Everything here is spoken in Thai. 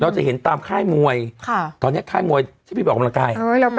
จะเห็นตามค่ายมวยตอนนี้ค่ายมวยที่ไปออกกำลังกาย